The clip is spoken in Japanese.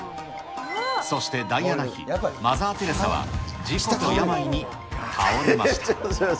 そしてダイアナ妃、マザー・テレサは、事故や病に倒れました。